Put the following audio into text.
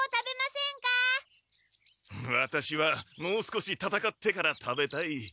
ワタシはもう少し戦ってから食べたい。